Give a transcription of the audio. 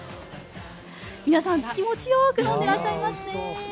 皆さん、気持ちよく飲んでいらっしゃいますね。